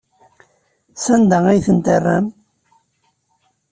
Sanda ay tent-terram?